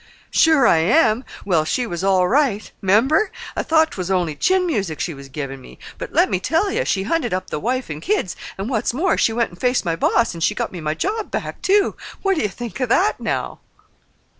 "Sure I am! Well, she was all right. 'Member? I thought 'twas only chin music she was givin' me. But let me tell ye. She hunted up the wife an' kids, an' what's more, she went an' faced my boss, an' she got me my job back, too. What do ye think of that, now?"